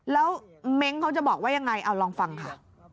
แล้วเม้งเขาจะบอกว่ายังไงเอาลองฟังค่ะ